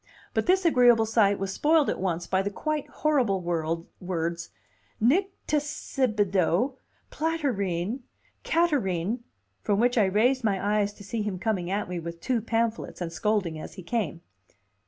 But this agreeable sight was spoiled at once by the quite horrible words Nycticebidoe, platyrrhine, catarrhine, from which I raised my eyes to see him coming at me with two pamphlets, and scolding as he came.